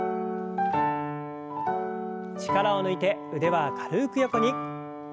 力を抜いて腕は軽く横に。